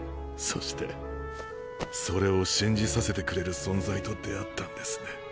そしてそれを信じさせてくれる存在と出会ったんですね。